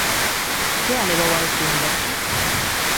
Que a levou a este universo?